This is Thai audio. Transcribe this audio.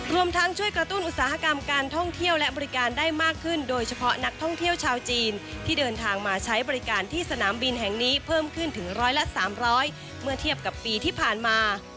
รวมทั้งช่วยกระตุ้นอุตสาหกรรมการท่องเที่ยวและบริการได้มากขึ้นโดยเฉพาะนักท่องเที่ยวชาวจีนที่เดินทางมาใช้บริการที่สนามบินแห่งนี้เพิ่มขึ้นถึงร้อยละ๓๐๐เมื่อเทียบกับปีที่ผ่านมา